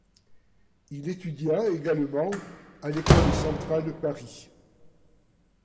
Il étudia également à l'École centrale Paris.